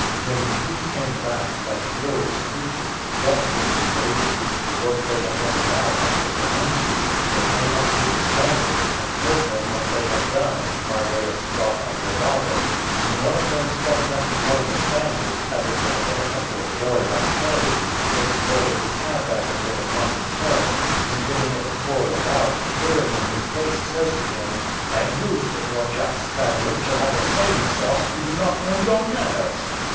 When the three came back like furious creatures, flushed with the rage which the work they had been about had put them into, they came up to the Spaniards, and told them what they had done, by way of scoff and bravado; and one of them stepping up to one of the Spaniards, as if they had been a couple of boys at play, takes hold of his hat as it was upon his head, and giving it a twirl about, fleering in his face, says to him, "And you, Seignior Jack Spaniard, shall have the same sauce if you do not mend your manners."